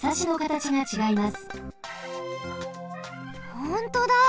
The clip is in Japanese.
ほんとだ！